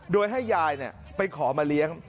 โดยให้ยายไปขอมาเลี้ยง